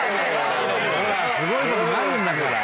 ほらすごい事になるんだから。